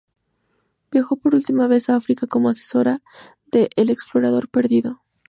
Viajó por última vez a África como asesora de "El explorador perdido".